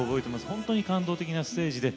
本当に感動的なステージで。